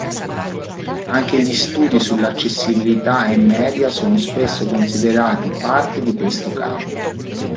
Anche gli studi sull’accessibilità ai media sono spesso considerati parte di questo campo.